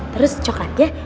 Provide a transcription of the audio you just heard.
terus coklat ya